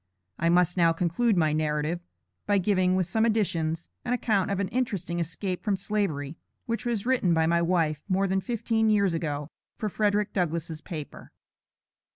I must now conclude my narrative, by giving, with some additions, an account of an interesting escape from Slavery, which was written by my wife, more than fifteen years ago, for Frederic Douglass' paper.